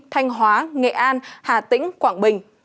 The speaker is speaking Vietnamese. thanh hóa nghệ an hà tĩnh quảng bình